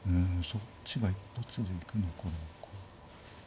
そっちが一発で行くのかどうか。